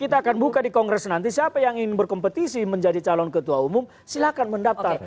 kita akan buka di kongres nanti siapa yang ingin berkompetisi menjadi calon ketua umum silahkan mendaftar